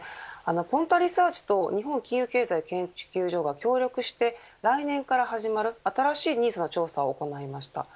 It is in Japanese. Ｐｏｎｔａリサーチと日本金融経済研究所が協力して来年から始まる新しいＮＩＳＡの調査を行いました。